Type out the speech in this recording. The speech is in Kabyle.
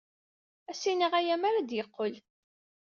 Ad as-iniɣ aya mi ara d-yeqqel.